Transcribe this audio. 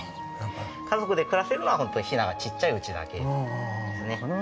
家族で暮らせるのは、本当にひながちっちゃいうちだけですね。